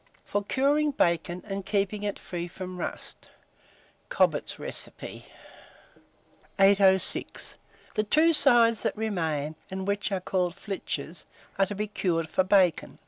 FOR CURING BACON, AND KEEPING IT FREE FROM RUST (Cobbett's Recipe). 806. THE TWO SIDES THAT REMAIN, and which are called flitches, are to be cured for bacon.